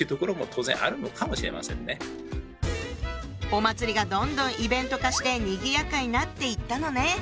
お祭りがどんどんイベント化してにぎやかになっていったのね。